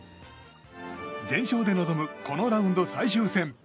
全勝で臨むこのラウンド最終戦。